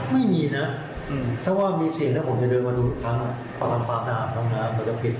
ไม่มีนะอือถ้าว่ามีเสียงครับผมจะเดินมาดูข้างล่างมันจะกินข้อไปนะครับ